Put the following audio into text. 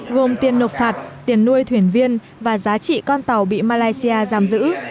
gồm tiền nộp phạt tiền nuôi thuyền viên và giá trị con tàu bị malaysia giam giữ